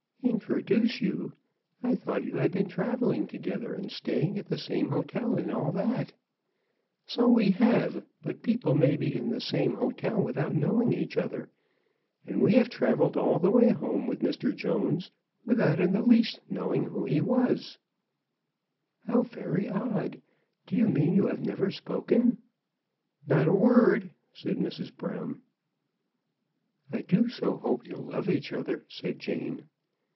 *' Introduce you ! I thought you had been travelling together, and staying at the same hotel, and all that." " So we have ; but people may be in the same hotel without knowing each other. And we have travelled all the way home with Mr. Jones without in the least knowing who he was." MRS. BROWN AT THOMPSON HALL. 75 " How very odd ! Do you mean you have never spoken? "" Not a word, said Mrs. Brown. *'I do so hope you'll love each other," said Jane.